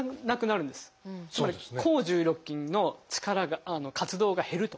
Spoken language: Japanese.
つまり「抗重力筋」の活動が減ると。